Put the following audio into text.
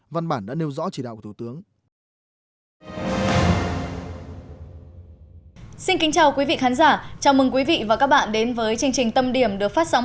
văn bản đã nêu rõ chỉ đạo của thủ tướng